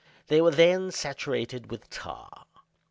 They were then saturated with tar.